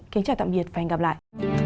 kính chào tạm biệt và hẹn gặp lại